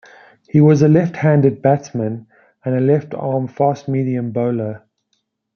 He was a left-handed batsman and a left-arm fast-medium bowler.